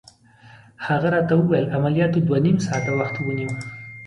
هغې راته وویل: عملياتو دوه نيم ساعته وخت ونیو.